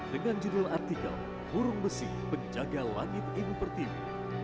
dengan judul artikel hurung besi penjaga lanit ibu pertimu